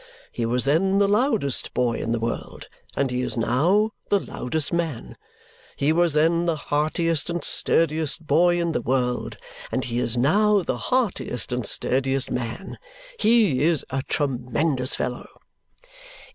He was then the loudest boy in the world, and he is now the loudest man. He was then the heartiest and sturdiest boy in the world, and he is now the heartiest and sturdiest man. He is a tremendous fellow."